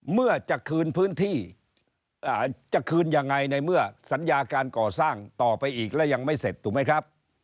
เมื่อจะคืนพื้นที่จะคืนยังไงในเมื่อสัญญาการก่อสร้างต่อไปอีกแล้วยังไม่เสร็จถูกไหมครับ